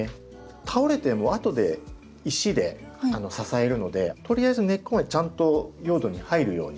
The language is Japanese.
倒れても後で石で支えるのでとりあえず根っこがちゃんと用土に入るように。